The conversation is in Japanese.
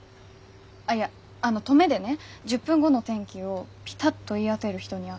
あっいやあの登米でね１０分後の天気をピタッと言い当てる人に会ったの。